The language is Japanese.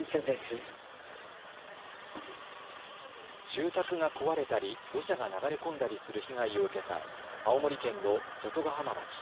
住宅が壊れたり土砂が流れ込んだりする被害を受けた青森県の外ヶ浜町。